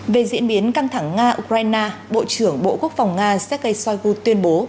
về diễn biến căng thẳng nga ukraine bộ trưởng bộ quốc phòng nga sergei shoigu tuyên bố